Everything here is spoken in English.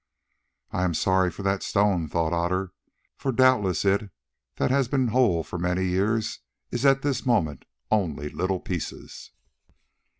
"I am sorry for that stone," thought Otter, "for doubtless it, that has been whole for many years, is at this moment only little pieces."